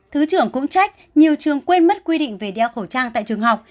thứ trưởng cũng trách nhiều trường quên mất quy định về đeo khẩu trang tại trường học